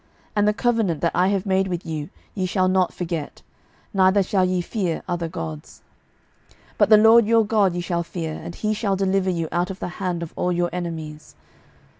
12:017:038 And the covenant that I have made with you ye shall not forget; neither shall ye fear other gods. 12:017:039 But the LORD your God ye shall fear; and he shall deliver you out of the hand of all your enemies.